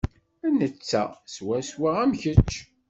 Netta swaswa am kečč.